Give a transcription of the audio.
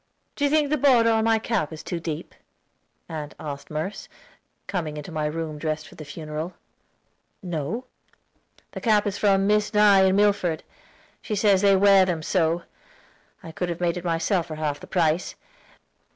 "Do you think the border on my cap is too deep?" asked Aunt Merce, coming into my room dressed for the funeral. "No." "The cap came from Miss Nye in Milford; she says they wear them so. I could have made it myself for half the price.